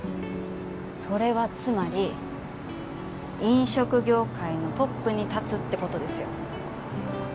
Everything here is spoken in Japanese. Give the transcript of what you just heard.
それはつまり飲食業界のトップに立つって事ですよ。